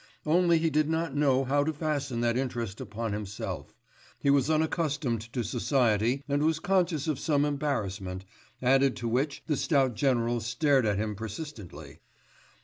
Only he did not know how to fasten that interest upon himself; he was unaccustomed to society and was conscious of some embarrassment, added to which the stout general stared at him persistently.